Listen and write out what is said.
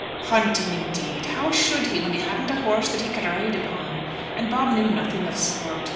"Hunting, indeed! How should he, when he hadn't a horse that he could ride upon? And Bob knew nothing of sport.